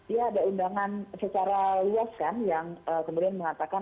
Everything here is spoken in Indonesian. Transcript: ya ada undangan secara luas kan yang kemudian mengatakan